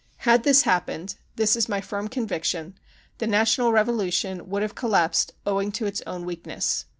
Had this happened — this is my firm conviction — the national revolution would have collapsed owing to its own weakness.